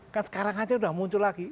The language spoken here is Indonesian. kan sekarang saja sudah muncul lagi